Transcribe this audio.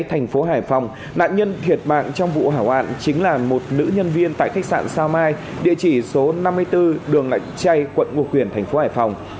thành phố hải phòng nạn nhân thiệt mạng trong vụ hỏa hoạn chính là một nữ nhân viên tại khách sạn sao mai địa chỉ số năm mươi bốn đường lạch chay quận ngo quyền thành phố hải phòng